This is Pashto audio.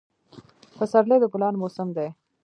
پسرلی د ګلانو موسم دی